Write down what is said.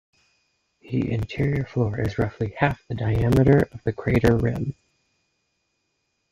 The interior floor is roughly half the diameter of the crater rim.